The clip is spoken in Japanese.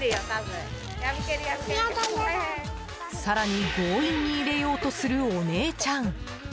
更に強引に入れようとするお姉ちゃん。